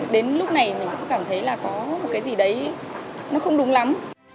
đến lúc này mình cũng cảm thấy là có một cái gì đấy nó không đúng lắm